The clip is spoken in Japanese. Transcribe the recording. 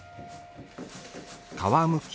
皮むき。